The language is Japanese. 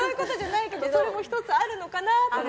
それも１つあるのかなって。